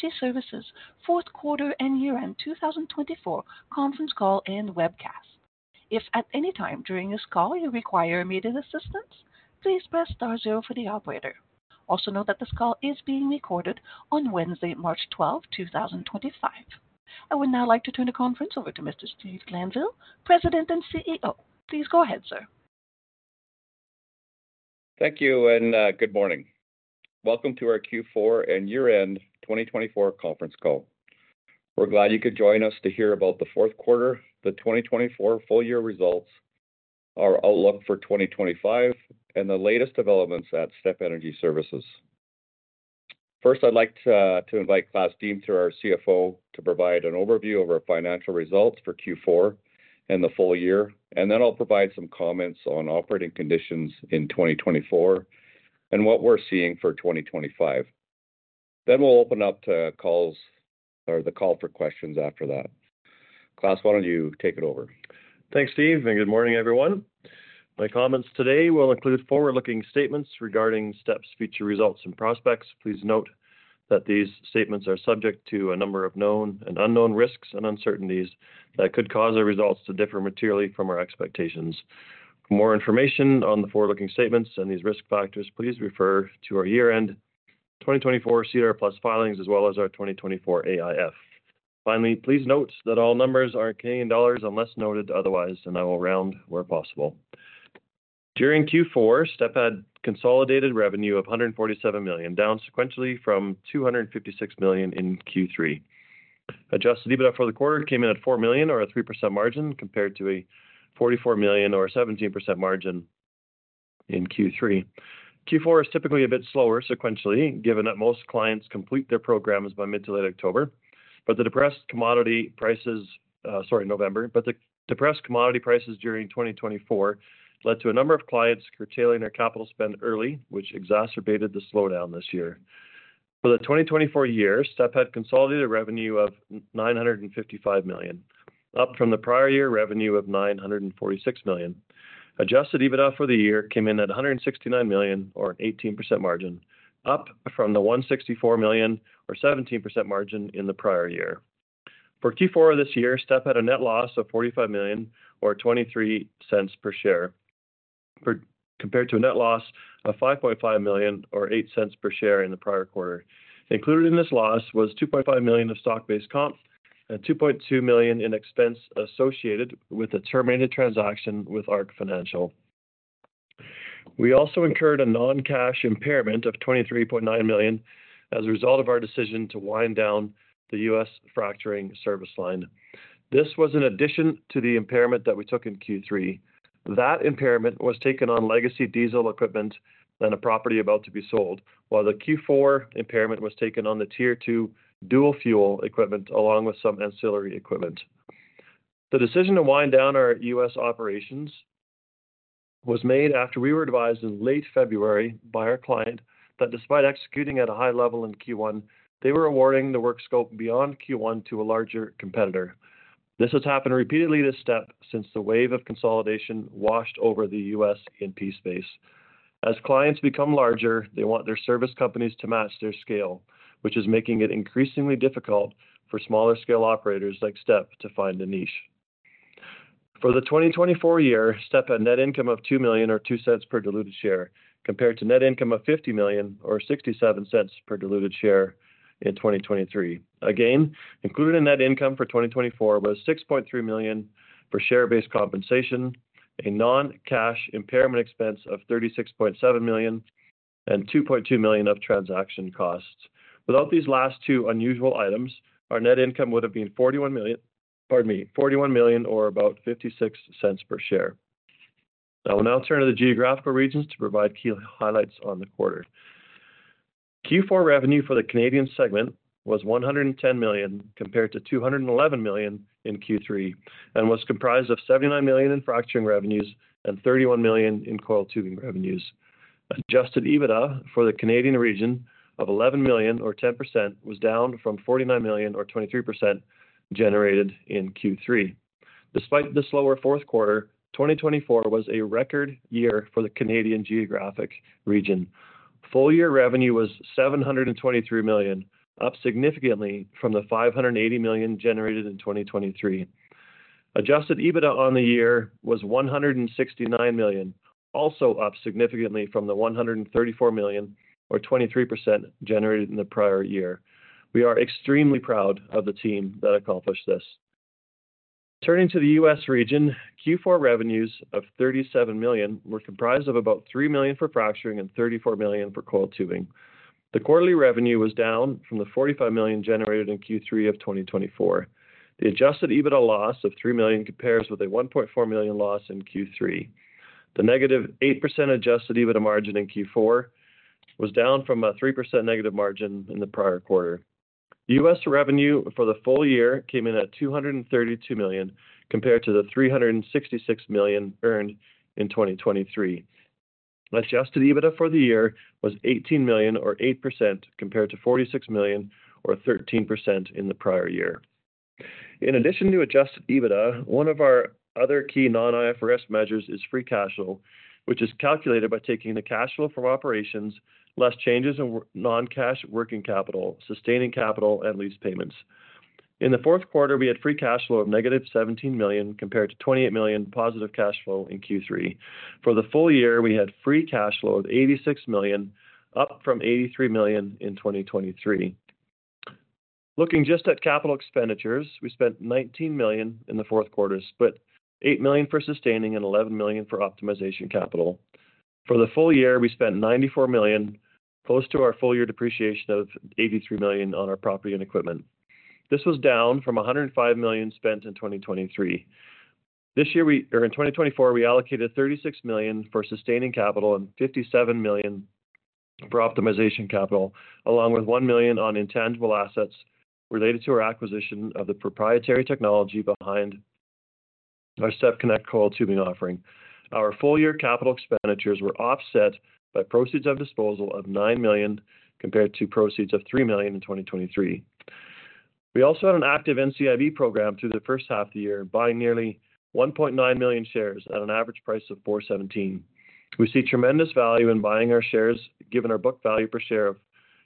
STEP Energy Services, Q4 and Year-End 2024 Conference Call and Webcast. If at any time during this call you require immediate assistance, please press star 0 for the operator. Also note that this call is being recorded on Wednesday, March 12, 2025. I would now like to turn the conference over to Mr. Steve Glanville, President and CEO. Please go ahead, sir. Thank you and good morning. Welcome to our Q4 and Year-End 2024 Conference Call. We're glad you could join us to hear about the Q4, the 2024 full-year results, our outlook for 2025, and the latest developments at STEP Energy Services. First, I'd like to invite Klaas Deemter, our CFO, to provide an overview of our financial results for Q4 and the full year. I will provide some comments on operating conditions in 2024 and what we're seeing for 2025. We will open up the call for questions after that. Klaas, why don't you take it over? Thanks, Steve, and good morning, everyone. My comments today will include forward-looking statements regarding STEP's future results and prospects. Please note that these statements are subject to a number of known and unknown risks and uncertainties that could cause our results to differ materially from our expectations. For more information on the forward-looking statements and these risk factors, please refer to our year-end 2024 SEDAR+ filings as well as our 2024 AIF. Finally, please note that all numbers are in CAD unless noted otherwise, and I will round where possible. During Q4, STEP had consolidated revenue of 147 million, down sequentially from 256 million in Q3. Adjusted EBITDA for the quarter came in at 4 million, or a 3% margin, compared to 44 million, or a 17% margin, in Q3. Q4 is typically a bit slower sequentially, given that most clients complete their programs by mid to late October. Sorry, November, but the depressed commodity prices during 2024 led to a number of clients curtailing their capital spend early, which exacerbated the slowdown this year. For the 2024 year, STEP had consolidated revenue of 955 million, up from the prior year revenue of 946 million. Adjusted EBITDA for the year came in at 169 million, or an 18% margin, up from the 164 million, or a 17% margin, in the prior year. For Q4 of this year, STEP had a net loss of 45 million, or 0.23 per share, compared to a net loss of 5.5 million, or 0.08 per share in the prior quarter. Included in this loss was $2.5 million of stock-based comp and $2.2 million in expense associated with a terminated transaction with ARC Financial. We also incurred a non-cash impairment of $23.9 million as a result of our decision to wind down the US fracturing service line. This was in addition to the impairment that we took in Q3. That impairment was taken on legacy diesel equipment and a property about to be sold, while the Q4 impairment was taken on the Tier 2 dual-fuel equipment along with some ancillary equipment. The decision to wind down our US operations was made after we were advised in late February by our client that despite executing at a high level in Q1, they were awarding the work scope beyond Q1 to a larger competitor. This has happened repeatedly to STEP since the wave of consolidation washed over the US E&P space. As clients become larger, they want their service companies to match their scale, which is making it increasingly difficult for smaller-scale operators like STEP to find a niche. For the 2024 year, STEP had net income of 2 million, or 0.02 per diluted share, compared to net income of 50 million, or 0.67 per diluted share in 2023. Again, included in net income for 2024 was 6.3 million for share-based compensation, a non-cash impairment expense of 36.7 million, and 2.2 million of transaction costs. Without these last two unusual items, our net income would have been 41 million, pardon me, 41 million, or about 0.56 per share. I will now turn to the geographical regions to provide key highlights on the quarter. Q4 revenue for the Canadian segment was 110 million compared to 211 million in Q3 and was comprised of 79 million in fracturing revenues and 31 million in coil tubing revenues. Adjusted EBITDA for the Canadian region of 11 million, or 10%, was down from 49 million, or 23%, generated in Q3. Despite the slower Q4, 2024 was a record year for the Canadian geographic region. Full-year revenue was 723 million, up significantly from the 580 million generated in 2023. Adjusted EBITDA on the year was 169 million, also up significantly from the 134 million, or 23%, generated in the prior year. We are extremely proud of the team that accomplished this. Turning to the U.S. region, Q4 revenues of $37 million were comprised of about $3 million for fracturing and $34 million for coil tubing. The quarterly revenue was down from the 45 million generated in Q3 of 2024. The adjusted EBITDA loss of 3 million compares with a 1.4 million loss in Q3. The negative 8% adjusted EBITDA margin in Q4 was down from a 3% negative margin in the prior quarter. U.S. revenue for the full year came in at 232 million, compared to the 366 million earned in 2023. Adjusted EBITDA for the year was 18 million, or 8%, compared to 46 million, or 13%, in the prior year. In addition to adjusted EBITDA, one of our other key non-IFRS measures is free cash flow, which is calculated by taking the cash flow from operations less changes in non-cash working capital, sustaining capital, and lease payments. In the Q4, we had free cash flow of negative 17 million, compared to 28 million positive cash flow in Q3. For the full year, we had free cash flow of 86 million, up from 83 million in 2023. Looking just at capital expenditures, we spent 19 million in the Q4, split 8 million for sustaining and 11 million for optimization capital. For the full year, we spent 94 million, close to our full-year depreciation of 83 million on our property and equipment. This was down from 105 million spent in 2023. This year, we—or in 2024, we allocated 36 million for sustaining capital and 57 million for optimization capital, along with 1 million on intangible assets related to our acquisition of the proprietary technology behind our STEP-conneCT coil tubing offering. Our full-year capital expenditures were offset by proceeds of disposal of 9 million, compared to proceeds of 3 million in 2023. We also had an active NCIB program through the first half of the year, buying nearly 1.9 million shares at an average price of 4.17. We see tremendous value in buying our shares, given our book value per share of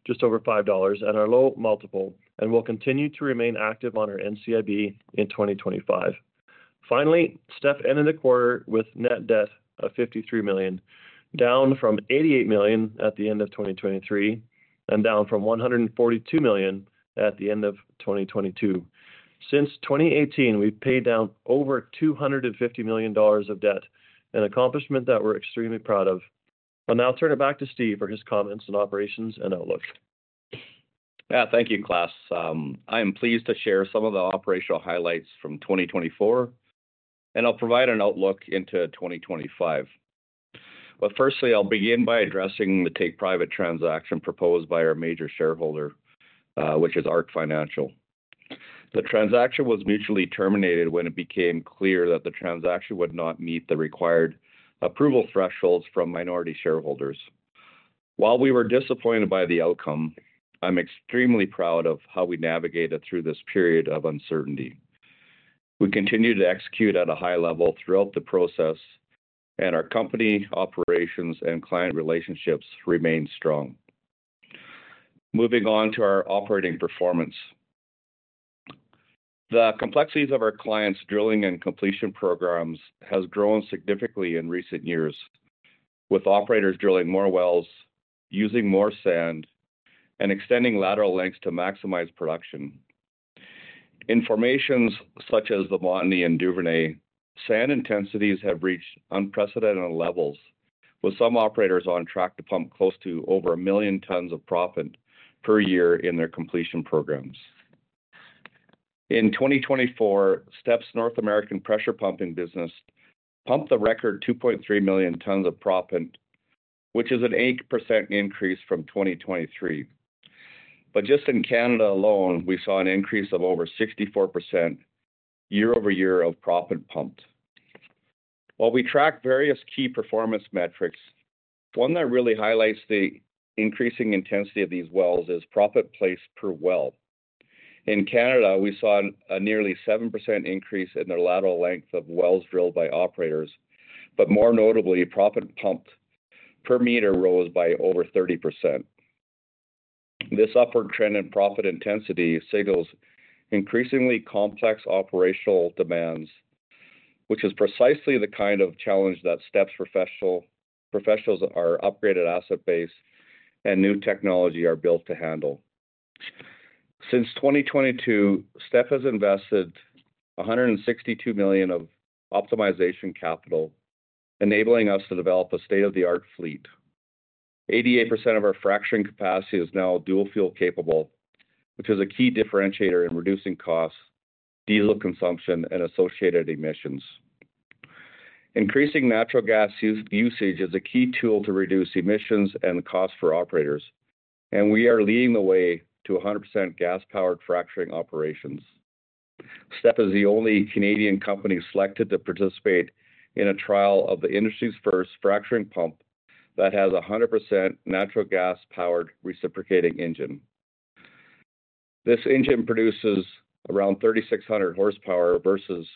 just over 5 dollars and our low multiple, and will continue to remain active on our NCIB in 2025. Finally, STEP ended the quarter with net debt of 53 million, down from 88 million at the end of 2023 and down from 142 million at the end of 2022. Since 2018, we've paid down over 250 million dollars of debt, an accomplishment that we're extremely proud of. I'll now turn it back to Steve for his comments on operations and outlook. Yeah, thank you, Klaas. I am pleased to share some of the operational highlights from 2024, and I'll provide an outlook into 2025. Firstly, I'll begin by addressing the take-private transaction proposed by our major shareholder, which is ARC Financial. The transaction was mutually terminated when it became clear that the transaction would not meet the required approval thresholds from minority shareholders. While we were disappointed by the outcome, I'm extremely proud of how we navigated through this period of uncertainty. We continued to execute at a high level throughout the process, and our company operations and client relationships remained strong. Moving on to our operating performance, the complexities of our clients' drilling and completion programs have grown significantly in recent years, with operators drilling more wells, using more sand, and extending lateral lengths to maximize production. In formations such as the Montney and Duvernay, sand intensities have reached unprecedented levels, with some operators on track to pump close to over a million tons of proppant per year in their completion programs. In 2024, STEP's North American pressure pumping business pumped the record 2.3 million tons of proppant, which is an 8% increase from 2023. In Canada alone, we saw an increase of over 64% year-over-year of proppant pumped. While we track various key performance metrics, one that really highlights the increasing intensity of these wells is proppant placed per well. In Canada, we saw a nearly 7% increase in the lateral length of wells drilled by operators, but more notably, proppant pumped per meter rose by over 30%. This upward trend in proppant intensity signals increasingly complex operational demands, which is precisely the kind of challenge that STEP's professionals, our upgraded asset base, and new technology are built to handle. Since 2022, STEP has invested 162 million of optimization capital, enabling us to develop a state-of-the-art fleet. 88% of our fracturing capacity is now dual-fuel capable, which is a key differentiator in reducing costs, diesel consumption, and associated emissions. Increasing natural gas usage is a key tool to reduce emissions and costs for operators, and we are leading the way to 100% gas-powered fracturing operations. STEP is the only Canadian company selected to participate in a trial of the industry's first fracturing pump that has a 100% natural gas-powered reciprocating engine. This engine produces around 3,600 horsepower versus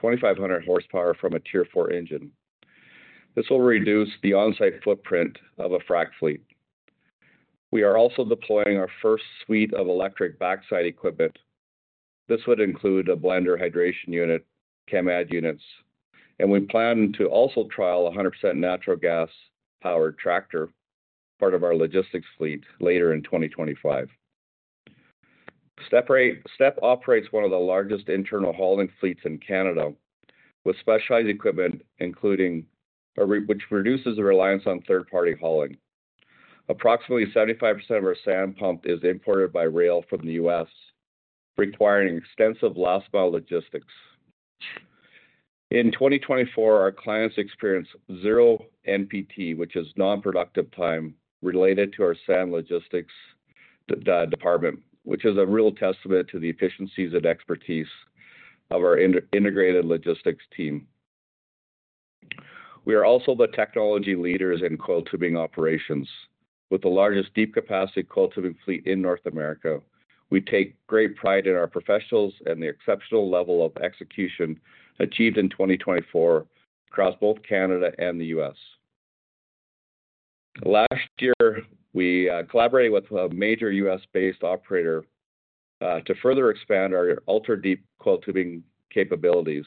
2,500 horsepower from a Tier 4 engine. This will reduce the onsite footprint of a frac fleet. We are also deploying our first suite of electric backside equipment. This would include a blender hydration unit, CAMAD units, and we plan to also trial a 100% natural gas-powered tractor, part of our logistics fleet, later in 2025. STEP operates one of the largest internal hauling fleets in Canada, with specialized equipment, which reduces the reliance on third-party hauling. Approximately 75% of our sand pump is imported by rail from the US, requiring extensive last-mile logistics. In 2024, our clients experienced zero NPT, which is non-productive time, related to our sand logistics department, which is a real testament to the efficiencies and expertise of our integrated logistics team. We are also the technology leaders in coil tubing operations, with the largest deep-capacity coil tubing fleet in North America. We take great pride in our professionals and the exceptional level of execution achieved in 2024 across both Canada and the U.S. Last year, we collaborated with a major U.S.-based operator to further expand our ultra-deep coil tubing capabilities.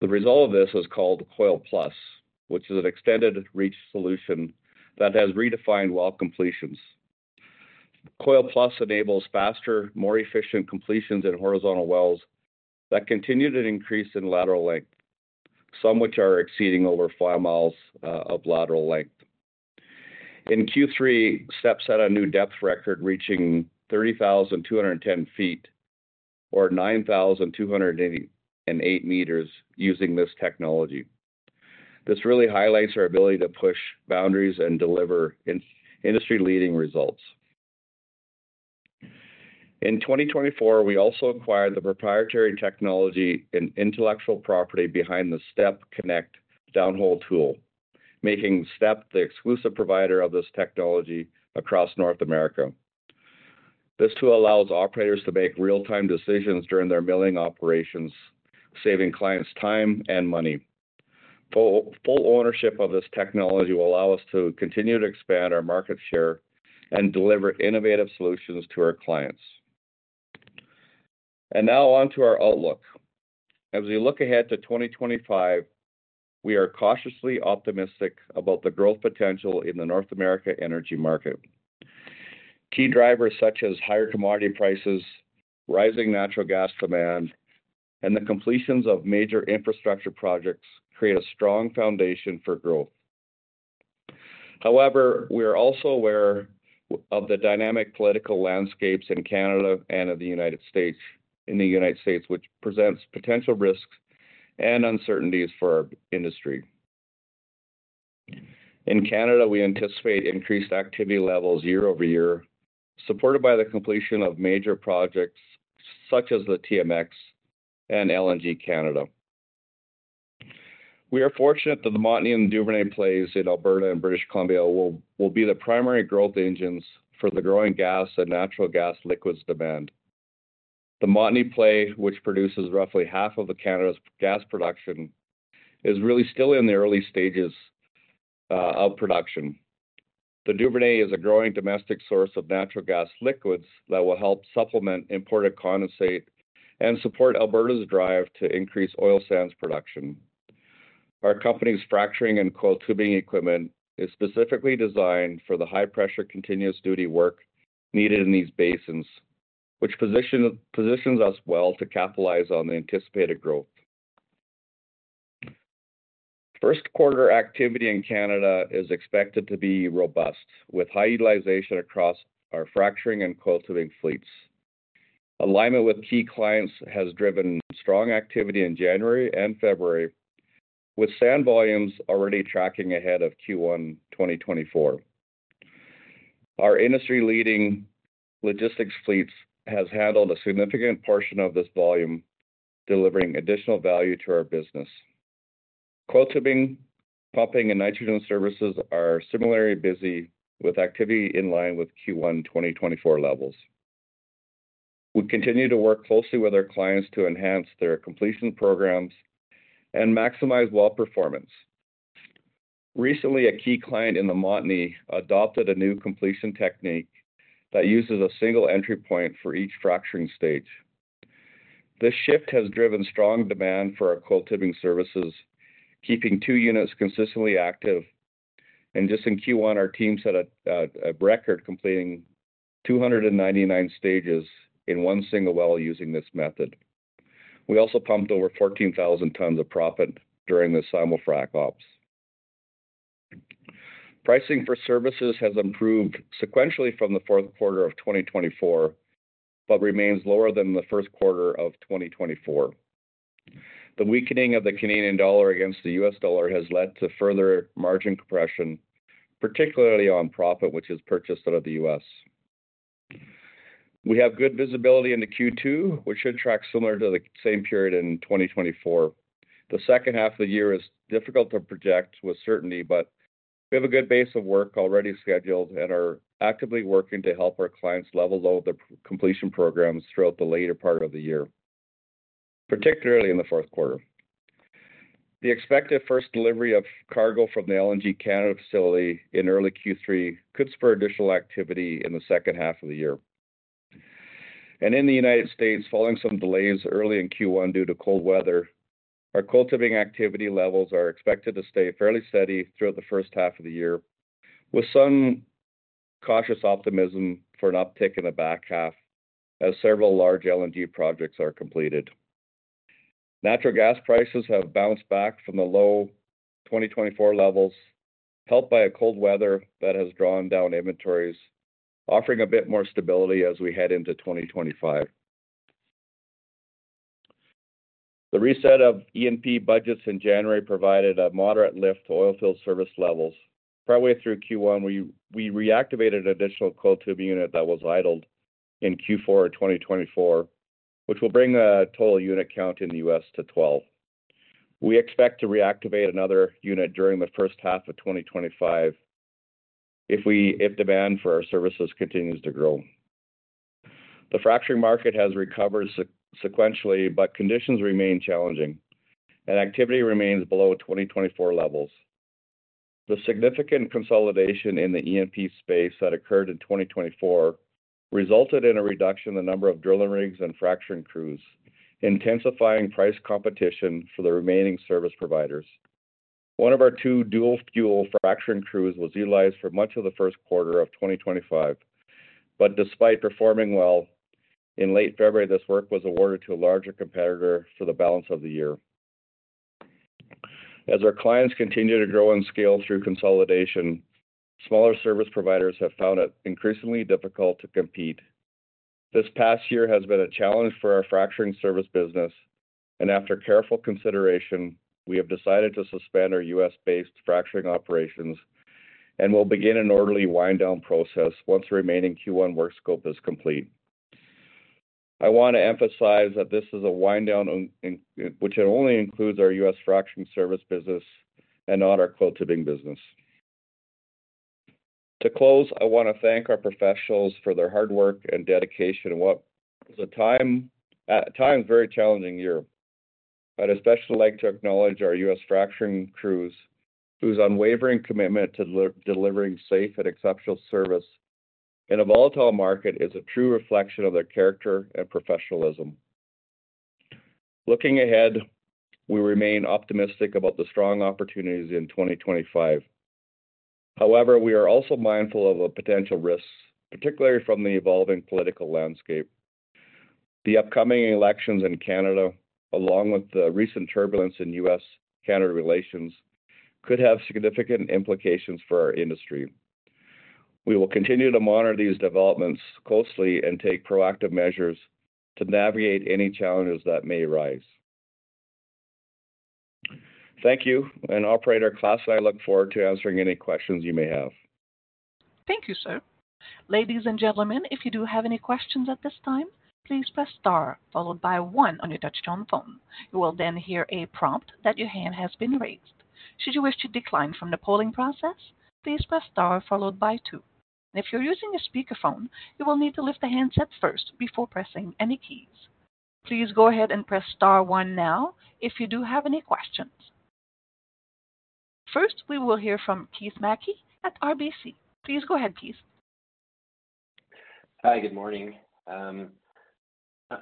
The result of this is called Coil+, which is an extended-reach solution that has redefined well completions. Coil+ enables faster, more efficient completions in horizontal wells that continue to increase in lateral length, some which are exceeding over 5 mi of lateral length. In Q3, STEP set a new depth record, reaching 30,210 ft, or 9,288 m, using this technology. This really highlights our ability to push boundaries and deliver industry-leading results. In 2024, we also acquired the proprietary technology and intellectual property behind the STEP-conneCT units downhole tool, making STEP the exclusive provider of this technology across North America. This tool allows operators to make real-time decisions during their milling operations, saving clients time and money. Full ownership of this technology will allow us to continue to expand our market share and deliver innovative solutions to our clients. Now on to our outlook. As we look ahead to 2025, we are cautiously optimistic about the growth potential in the North America energy market. Key drivers such as higher commodity prices, rising natural gas demand, and the completions of major infrastructure projects create a strong foundation for growth. However, we are also aware of the dynamic political landscapes in Canada and in the U.S., which presents potential risks and uncertainties for our industry. In Canada, we anticipate increased activity levels year over year, supported by the completion of major projects such as the TMX and LNG Canada. We are fortunate that the Montney and Duvernay plays in Alberta and British Columbia will be the primary growth engines for the growing gas and natural gas liquids demand. The Montney play, which produces roughly half of Canada's gas production, is really still in the early stages of production. The Duvernay is a growing domestic source of natural gas liquids that will help supplement imported condensate and support Alberta's drive to increase oil sands production. Our company's fracturing and coil tubing equipment is specifically designed for the high-pressure continuous duty work needed in these basins, which positions us well to capitalize on the anticipated growth. Q1 activity in Canada is expected to be robust, with high utilization across our fracturing and coil tubing fleets. Alignment with key clients has driven strong activity in January and February, with sand volumes already tracking ahead of Q1 2024. Our industry-leading logistics fleets have handled a significant portion of this volume, delivering additional value to our business. Coil tubing, pumping, and nitrogen services are similarly busy, with activity in line with Q1 2024 levels. We continue to work closely with our clients to enhance their completion programs and maximize well performance. Recently, a key client in the Montney adopted a new completion technique that uses a single entry point for each fracturing stage. This shift has driven strong demand for our coil tubing services, keeping two units consistently active. Just in Q1, our team set a record, completing 299 stages in one single well using this method. We also pumped over 14,000 tons of proppant during the simul-frac ops. Pricing for services has improved sequentially from the Q4 of 2024, but remains lower than the Q1 of 2024. The weakening of the Canadian dollar against the US dollar has led to further margin compression, particularly on proppant, which is purchased out of the US. We have good visibility into Q2, which should track similar to the same period in 2024. The second half of the year is difficult to project with certainty, but we have a good base of work already scheduled and are actively working to help our clients level through the completion programs throughout the later part of the year, particularly in the Q4. The expected first delivery of cargo from the LNG Canada facility in early Q3 could spur additional activity in the second half of the year. In the United States, following some delays early in Q1 due to cold weather, our coil tubing activity levels are expected to stay fairly steady throughout the first half of the year, with some cautious optimism for an uptick in the back half as several large LNG projects are completed. Natural gas prices have bounced back from the low 2024 levels, helped by cold weather that has drawn down inventories, offering a bit more stability as we head into 2025. The reset of E&P budgets in January provided a moderate lift to oil field service levels. Partway through Q1, we reactivated an additional coil tubing unit that was idled in Q4 2024, which will bring the total unit count in the U.S. to 12. We expect to reactivate another unit during the first half of 2025 if demand for our services continues to grow. The fracturing market has recovered sequentially, but conditions remain challenging, and activity remains below 2024 levels. The significant consolidation in the E&P space that occurred in 2024 resulted in a reduction in the number of drilling rigs and fracturing crews, intensifying price competition for the remaining service providers. One of our two dual-fuel fracturing crews was utilized for much of the Q1 of 2025, but despite performing well in late February, this work was awarded to a larger competitor for the balance of the year. As our clients continue to grow in scale through consolidation, smaller service providers have found it increasingly difficult to compete. This past year has been a challenge for our fracturing service business, and after careful consideration, we have decided to suspend our U.S.-based fracturing operations and will begin an orderly wind-down process once the remaining Q1 work scope is complete. I want to emphasize that this is a wind-down which only includes our U.S. fracturing service business and not our coil tubing business. To close, I want to thank our professionals for their hard work and dedication. The time is a very challenging year, but I'd especially like to acknowledge our U.S. fracturing crews, whose unwavering commitment to delivering safe and exceptional service in a volatile market is a true reflection of their character and professionalism. Looking ahead, we remain optimistic about the strong opportunities in 2025. However, we are also mindful of potential risks, particularly from the evolving political landscape. The upcoming elections in Canada, along with the recent turbulence in U.S.-Canada relations, could have significant implications for our industry. We will continue to monitor these developments closely and take proactive measures to navigate any challenges that may arise. Thank you, and Operator Klaas and I look forward to answering any questions you may have. Thank you, sir. Ladies and gentlemen, if you do have any questions at this time, please press star followed by 1 on your touch-tone phone. You will then hear a prompt that your hand has been raised. Should you wish to decline from the polling process, please press star followed by 2. If you're using a speakerphone, you will need to lift the handset first before pressing any keys. Please go ahead and press star 1 now if you do have any questions. First, we will hear from Keith Mackey at RBC. Please go ahead, Keith. Hi, good morning. I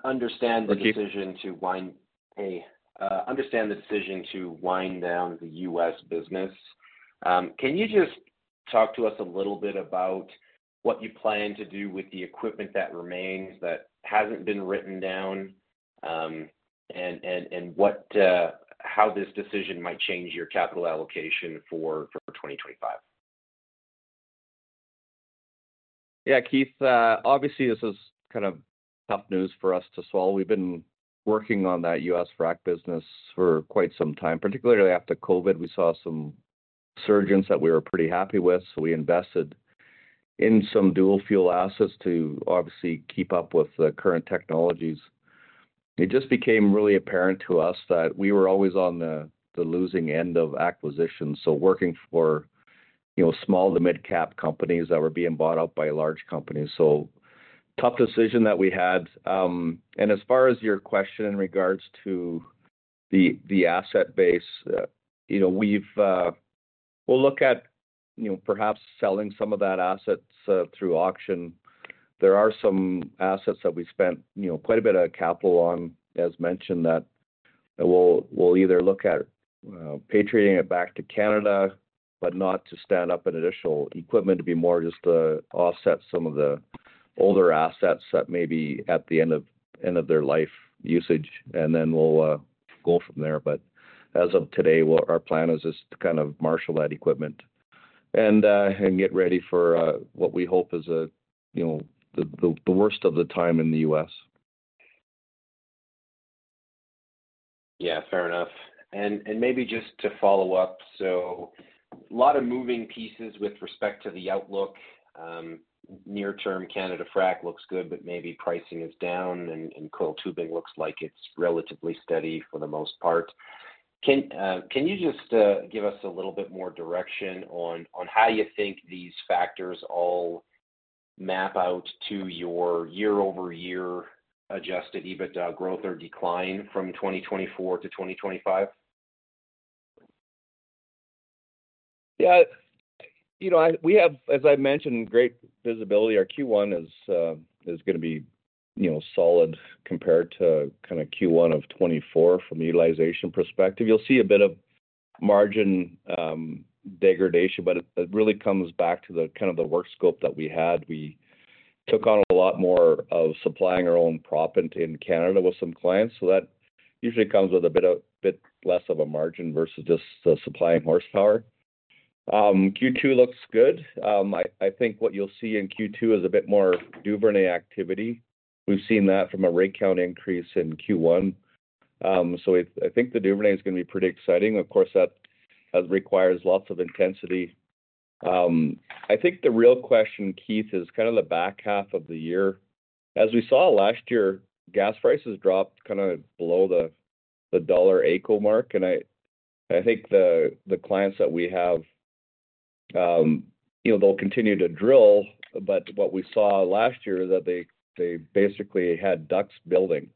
understand the decision to wind down the U.S. business. Can you just talk to us a little bit about what you plan to do with the equipment that remains, that hasn't been written down, and how this decision might change your capital allocation for 2025? Yeah, Keith, obviously, this is kind of tough news for us to swallow. We've been working on that U.S. frac business for quite some time. Particularly after COVID, we saw some surges that we were pretty happy with, so we invested in some dual-fuel assets to obviously keep up with the current technologies. It just became really apparent to us that we were always on the losing end of acquisitions, working for small to mid-cap companies that were being bought up by large companies. Tough decision that we had. As far as your question in regards to the asset base, we'll look at perhaps selling some of that assets through auction. There are some assets that we spent quite a bit of capital on, as mentioned, that we'll either look at patriating it back to Canada, but not to stand up an additional equipment, to be more just to offset some of the older assets that may be at the end of their life usage, and then we'll go from there. As of today, our plan is just to kind of marshal that equipment and get ready for what we hope is the worst of the time in the U.S. Yeah, fair enough. Maybe just to follow up, a lot of moving pieces with respect to the outlook. Near-term Canada frac looks good, but maybe pricing is down, and coil tubing looks like it's relatively steady for the most part. Can you just give us a little bit more direction on how you think these factors all map out to your year-over-year adjusted EBITDA growth or decline from 2024 to 2025? Yeah. We have, as I mentioned, great visibility. Our Q1 is going to be solid compared to kind of Q1 of 2024 from a utilization perspective. You'll see a bit of margin degradation, but it really comes back to kind of the work scope that we had. We took on a lot more of supplying our own proppant in Canada with some clients, so that usually comes with a bit less of a margin versus just the supplying horsepower. Q2 looks good. I think what you'll see in Q2 is a bit more Duvernay activity. We've seen that from a rig count increase in Q1. I think the Duvernay is going to be pretty exciting. Of course, that requires lots of intensity. I think the real question, Keith, is kind of the back half of the year. As we saw last year, gas prices dropped kind of below the dollar AECO mark, and I think the clients that we have, they'll continue to drill, but what we saw last year is that they basically had DUCs building.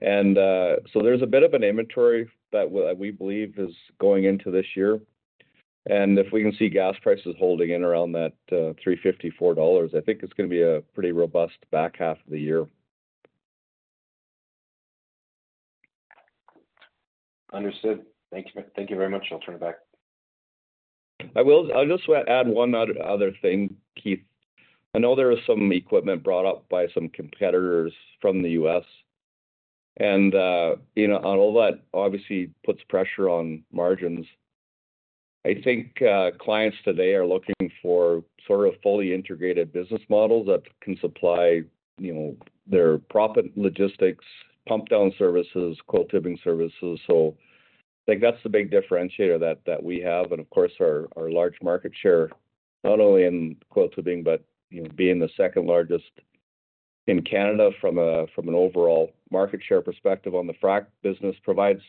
There is a bit of an inventory that we believe is going into this year. If we can see gas prices holding in around that $354, I think it's going to be a pretty robust back half of the year. Understood. Thank you very much. I'll turn it back. I will just add one other thing, Keith. I know there was some equipment brought up by some competitors from the U.S. All that obviously puts pressure on margins. I think clients today are looking for sort of fully integrated business models that can supply their prop and logistics, pump-down services, coil tubing services. I think that's the big differentiator that we have. Of course, our large market share, not only in coil tubing, but being the second largest in Canada from an overall market share perspective on the frac business, provides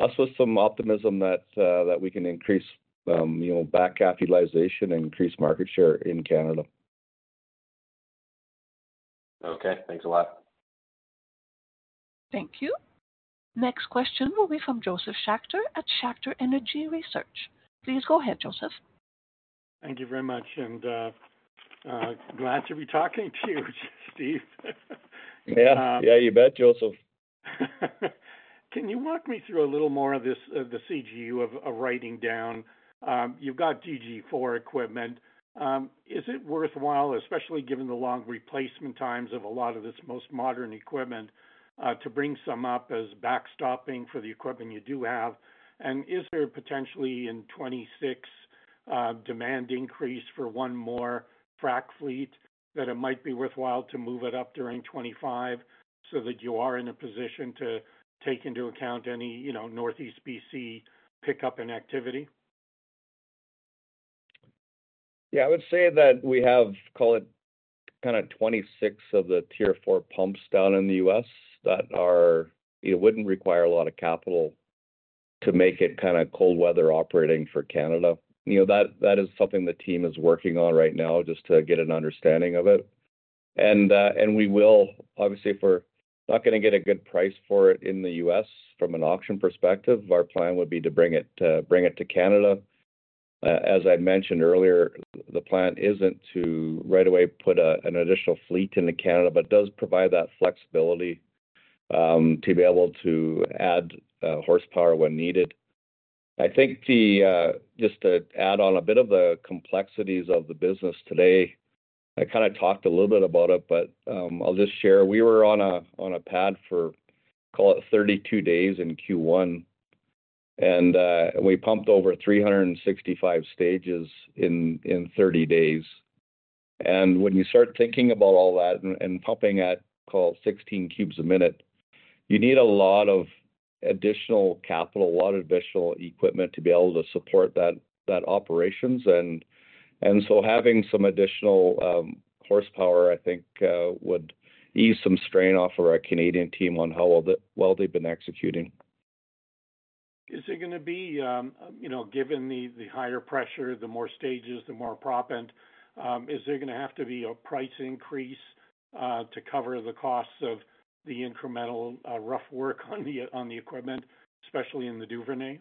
us with some optimism that we can increase back half utilization and increase market share in Canada. Okay. Thanks a lot. Thank you. Next question will be from Josef Schachter at Schachter Energy Research. Please go ahead, Josef. Thank you very much. Glad to be talking to you, Steve. Yeah, you bet, Josef. Can you walk me through a little more of the CGU of writing down? You've got GG4 equipment. Is it worthwhile, especially given the long replacement times of a lot of this most modern equipment, to bring some up as backstopping for the equipment you do have? Is there potentially, in 2026, a demand increase for one more frac fleet that it might be worthwhile to move it up during 2025 so that you are in a position to take into account any Northeast BC pickup and activity? Yeah, I would say that we have kind of 26 of the Tier 4 pumps down in the U.S. that would not require a lot of capital to make it kind of cold weather operating for Canada. That is something the team is working on right now just to get an understanding of it. We will, obviously, if we're not going to get a good price for it in the U.S. from an auction perspective, our plan would be to bring it to Canada. As I mentioned earlier, the plan isn't to right away put an additional fleet into Canada, but it does provide that flexibility to be able to add horsepower when needed. I think just to add on a bit of the complexities of the business today, I kind of talked a little bit about it, but I'll just share. We were on a pad for, call it, 32 days in Q1, and we pumped over 365 stages in 30 days. When you start thinking about all that and pumping at, call it, 16 cubes a minute, you need a lot of additional capital, a lot of additional equipment to be able to support that operations. Having some additional horsepower, I think, would ease some strain off of our Canadian team on how well they've been executing. Is it going to be, given the higher pressure, the more stages, the more prop, is there going to have to be a price increase to cover the costs of the incremental rough work on the equipment, especially in the Duvernay?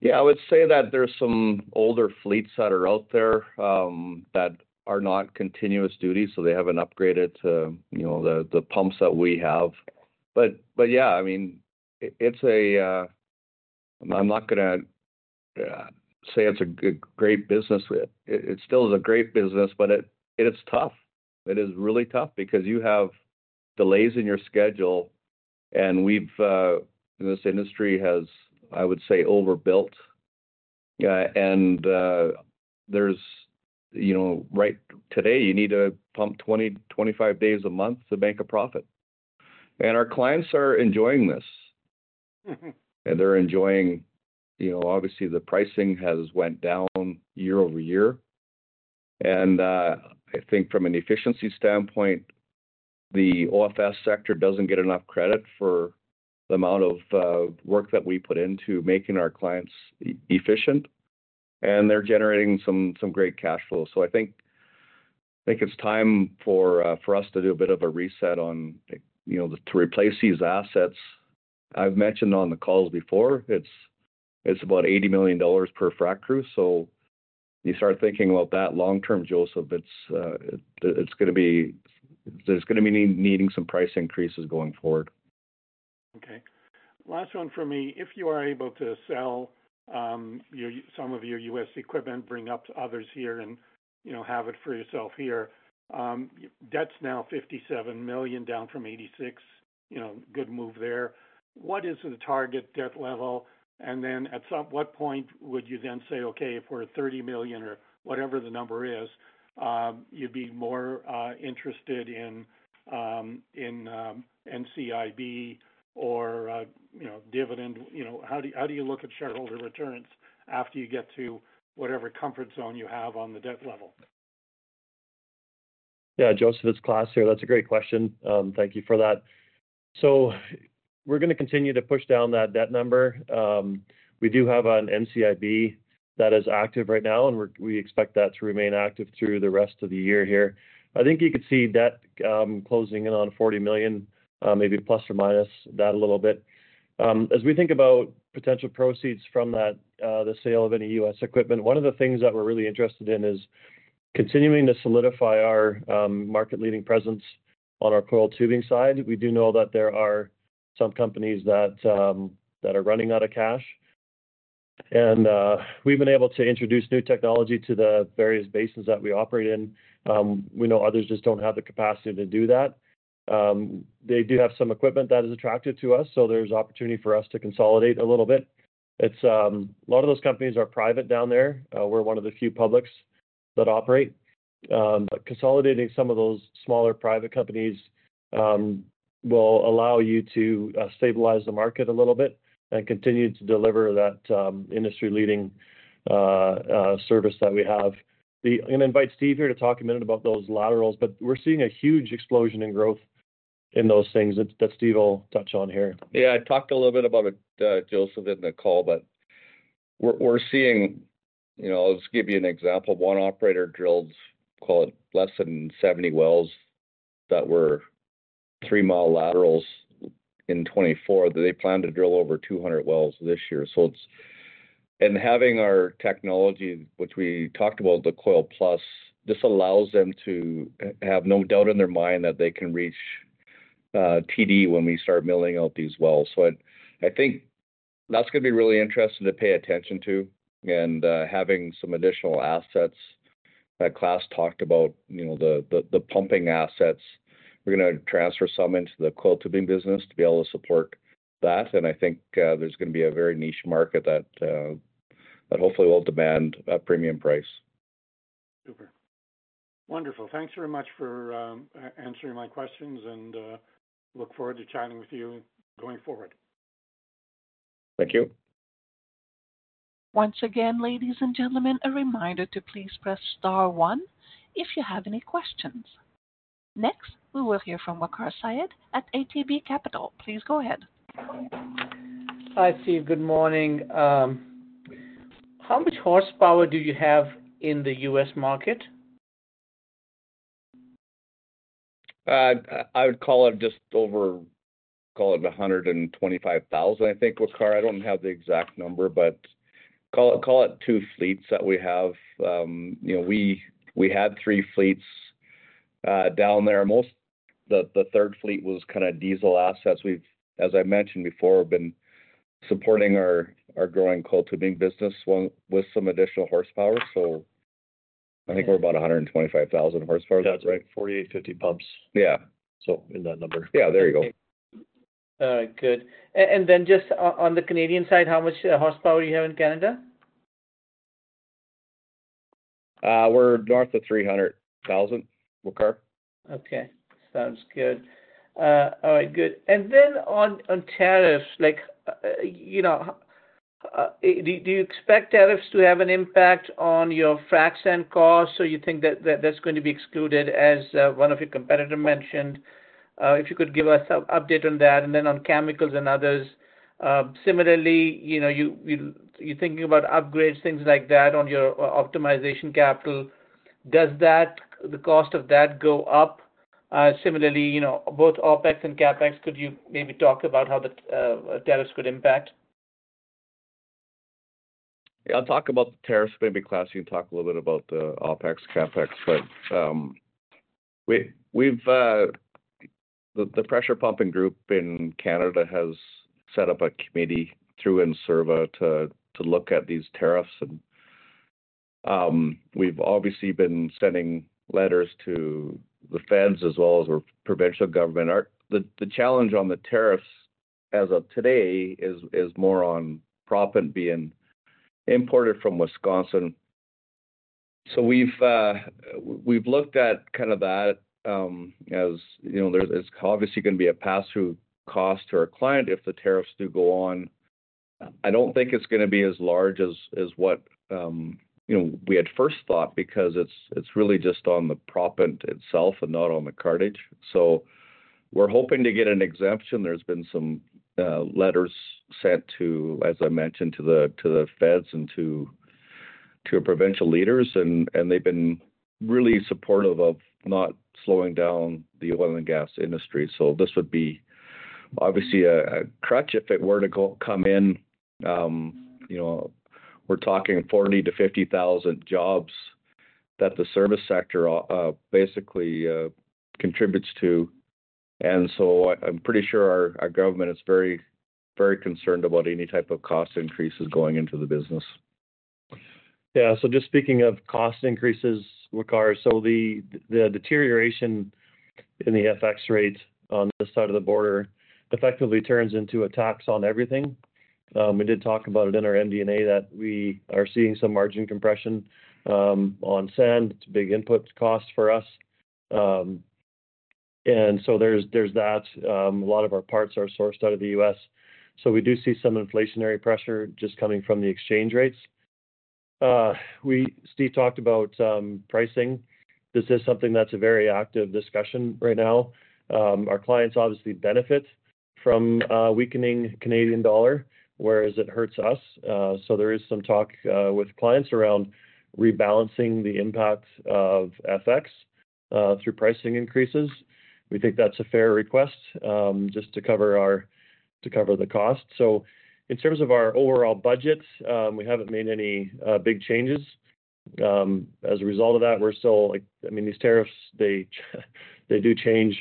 Yeah, I would say that there are some older fleets that are out there that are not continuous duty, so they haven't upgraded to the pumps that we have. Yeah, I mean, I'm not going to say it's a great business. It still is a great business, but it's tough. It is really tough because you have delays in your schedule, and this industry has, I would say, overbuilt. Right today, you need to pump 20-25 days a month to make a profit. Our clients are enjoying this. They're enjoying, obviously, the pricing has went down year over year. I think from an efficiency standpoint, the OFS sector doesn't get enough credit for the amount of work that we put into making our clients efficient, and they're generating some great cash flow. I think it's time for us to do a bit of a reset to replace these assets. I've mentioned on the calls before, it's about 80 million dollars per frac crew. You start thinking about that long-term, Josef, there's going to be needing some price increases going forward. Okay. Last one for me. If you are able to sell some of your U.S. equipment, bring up to others here and have it for yourself here. Debt's now 57 million, down from 86 million. Good move there. What is the target debt level? At what point would you then say, "Okay, if we're at 30 million or whatever the number is, you'd be more interested in NCIB or dividend"? How do you look at shareholder returns after you get to whatever comfort zone you have on the debt level? Yeah, Josef, it's Klaas here. That's a great question. Thank you for that. We're going to continue to push down that debt number. We do have an NCIB that is active right now, and we expect that to remain active through the rest of the year here. I think you could see debt closing in on 40 million, maybe plus or minus that a little bit. As we think about potential proceeds from the sale of any U.S. equipment, one of the things that we're really interested in is continuing to solidify our market-leading presence on our coil tubing side. We do know that there are some companies that are running out of cash. We have been able to introduce new technology to the various basins that we operate in. We know others just do not have the capacity to do that. They do have some equipment that is attractive to us, so there is opportunity for us to consolidate a little bit. A lot of those companies are private down there. We are one of the few publics that operate. Consolidating some of those smaller private companies will allow you to stabilize the market a little bit and continue to deliver that industry-leading service that we have. I am going to invite Steve here to talk a minute about those laterals. We are seeing a huge explosion in growth in those things that Steve will touch on here. Yeah, I talked a little bit about it, Josef, in the call, but we're seeing—I will just give you an example. One operator drilled, call it, less than 70 wells that were three-mile laterals in 2024. They plan to drill over 200 wells this year. Having our technology, which we talked about, the Coil+, just allows them to have no doubt in their mind that they can reach TD when we start milling out these wells. I think that is going to be really interesting to pay attention to. Having some additional assets that Klaas talked about, the pumping assets, we are going to transfer some into the coil tubing business to be able to support that. I think there is going to be a very niche market that hopefully will demand a premium price. Super. Wonderful. Thanks very much for answering my questions, and look forward to chatting with you going forward. Thank you. Once again, ladies and gentlemen, a reminder to please press star one if you have any questions. Next, we will hear from Waqar Syed at ATB Capital. Please go ahead. Hi, Steve. Good morning. How much horsepower do you have in the U.S. market? I would call it just over, call it 125,000, I think, Waqar. I do not have the exact number, but call it two fleets that we have. We had three fleets down there. The third fleet was kind of diesel assets. As I mentioned before, we have been supporting our growing coil tubing business with some additional horsepower. I think we are about 125,000 horsepower. That is right. 48, 50 pumps. Yeah. In that number. Yeah, there you go. All right. Good. Then just on the Canadian side, how much horsepower do you have in Canada? We're north of 300,000, Waqar. Okay. Sounds good. All right. Good. On tariffs, do you expect tariffs to have an impact on your frac sand costs? Do you think that that's going to be excluded, as one of your competitors mentioned? If you could give us an update on that. On chemicals and others, similarly, you're thinking about upgrades, things like that, on your optimization capital. Does the cost of that go up? Similarly, both OpEx and CapEx, could you maybe talk about how the tariffs could impact? Yeah, I'll talk about the tariffs. Maybe Klaas, you can talk a little bit about the OpEx, CapEx. The pressure pumping group in Canada has set up a committee through Enserva to look at these tariffs. We have obviously been sending letters to the feds as well as our provincial government. The challenge on the tariffs as of today is more on proppant being imported from Wisconsin. We have looked at that as it is obviously going to be a pass-through cost to our client if the tariffs do go on. I do not think it is going to be as large as what we had first thought because it is really just on the proppant itself and not on the cartridge. We are hoping to get an exemption. There have been some letters sent, as I mentioned, to the feds and to our provincial leaders, and they have been really supportive of not slowing down the oil and gas industry. This would be a crutch if it were to come in. We are talking 40,000-50,000 jobs that the service sector basically contributes to. I'm pretty sure our government is very concerned about any type of cost increases going into the business. Yeah. Just speaking of cost increases, Waqar, the deterioration in the FX rate on this side of the border effectively turns into a tax on everything. We did talk about it in our MD&A that we are seeing some margin compression on sand. It's a big input cost for us. There's that. A lot of our parts are sourced out of the US. We do see some inflationary pressure just coming from the exchange rates. Steve talked about pricing. This is something that's a very active discussion right now. Our clients obviously benefit from weakening Canadian dollar, whereas it hurts us. There is some talk with clients around rebalancing the impact of FX through pricing increases. We think that's a fair request just to cover the cost. In terms of our overall budgets, we haven't made any big changes. As a result of that, we're still—I mean, these tariffs, they do change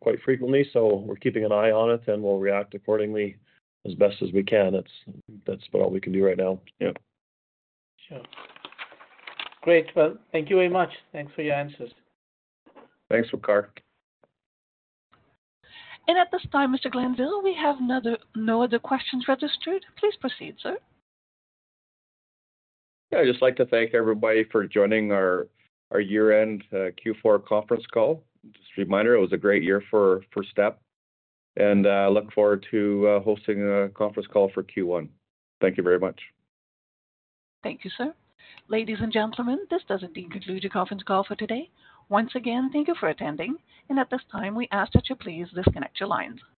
quite frequently. We're keeping an eye on it, and we'll react accordingly as best as we can. That's about all we can do right now. Yeah. Sure. Great. Thank you very much. Thanks for your answers. Thanks, Waqar. At this time, Mr. Glanville, we have no other questions registered. Please proceed, sir. Yeah. I'd just like to thank everybody for joining our year-end Q4 conference call. Just a reminder, it was a great year for STEP. I look forward to hosting a conference call for Q1. Thank you very much. Thank you, sir. Ladies and gentlemen, this does indeed conclude your conference call for today. Once again, thank you for attending. At this time, we ask that you please disconnect your lines.